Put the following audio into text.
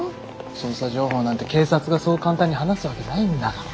捜査情報なんて警察がそう簡単に話すわけないんだから。